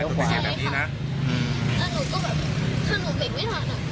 ถ้าหนูเป็กไม่ถนัดมาหนูก็ตกไป